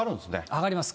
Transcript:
上がります。